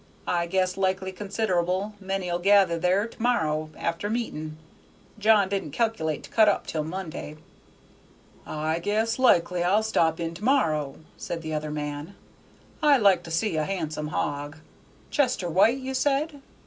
I guess likely consider'ble many'll gather there to morrow after meeting. John didn't calc'late to cut up till Monday." "I guess likely I 'll stop in to morrow," said the other man; "I like to see a han'some hog. Chester White, you said?